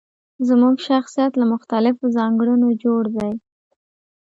زموږ شخصيت له مختلفو ځانګړنو جوړ دی.